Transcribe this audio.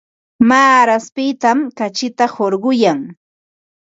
Maaraspitam kachita hurquyan.